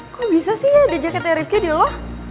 kok bisa sih gak ada jaketnya rifqi di lo